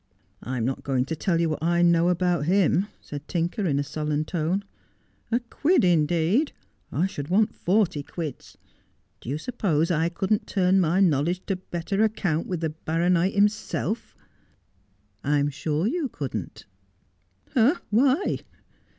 ' I'm not going to tell you what I know about him,' said Tinker, in a sullen tone. ' A quid, indeed I I should want forty 246 Just as I Am. quids. Do you suppose I couldn't turn my knowledge to better account with the baronight himself 1 '' I'm sure you couldn't.' 'Why?'